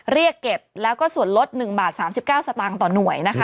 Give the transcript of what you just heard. เรียกเก็บแล้วก็ส่วนลด๑บาท๓๙สตางค์ต่อหน่วยนะคะ